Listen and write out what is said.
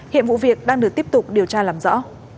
hiện vụ việc đang được tiếp tục điều tra làm rõ